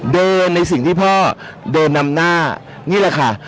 ในสิ่งที่พ่อเดินนำหน้านี่แหละค่ะ